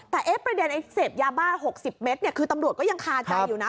แต่ประเด็นไอ้เสพยาบ้า๖๐เมตรคือตำรวจก็ยังคาใจอยู่นะ